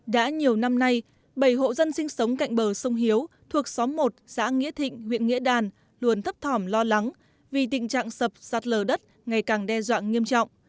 đã nhiều năm nay bảy hộ dân sinh sống cạnh bờ sông hiếu thuộc xóm một xã nghĩa thịnh huyện nghĩa đàn luôn thấp thỏm lo lắng vì tình trạng sập sạt lở đất ngày càng đe dọa nghiêm trọng